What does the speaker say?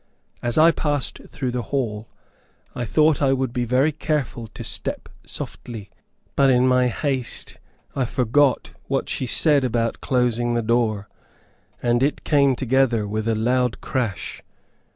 As I passed through the hall, I thought I would be very careful to step softly, but in my haste I forgot what she said about closing the door, and it came together with a loud crash.